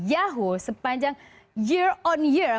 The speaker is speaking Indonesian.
yahoo sepanjang year on year